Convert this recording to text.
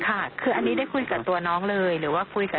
ค่ะคืออันนี้ได้คุยกับตัวน้องเลยหรือว่าคุยกับ